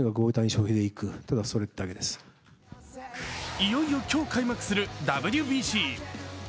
いよいよ今日開幕するＷＢＣ。